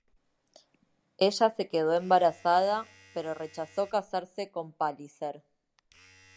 Ella se quedó embarazada pero rechazó casarse con Palliser.